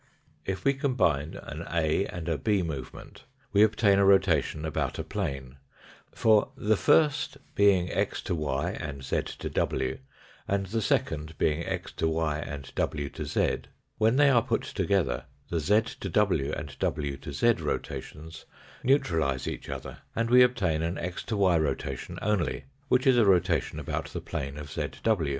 If we combine an A and a B movement, we obtain a rotation about a plane; for, the first being x to y and to iv, and the second being x to y and iv to z, when (hey are put together the z to w and w to z rotations neutralise each other, and we obtain an x to y rotation only, which is a rotation about the plane of zw.